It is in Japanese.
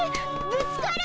ぶつかる！